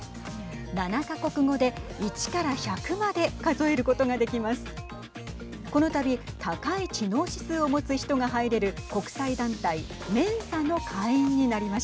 ７か国語で１から１００まで数えることができます。